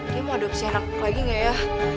dia mau adopsi anak gue lagi gak ya